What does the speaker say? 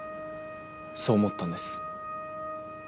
そう思ったんです。